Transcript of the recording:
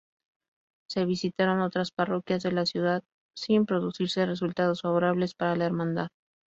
Se visitaron otras parroquias de la ciudad, sin producirse resultados favorables para la hermandad.